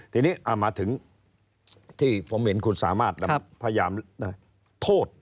ทีนี้มาถึงที่ผมเห็นคุณสามารถพยายามโทษ